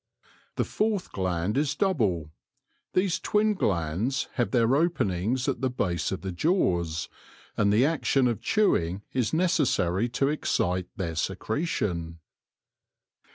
The fourth gland is double. These twin glands have their openings at the base of the jaws, and the action of chewing is necessary to excite their secretion.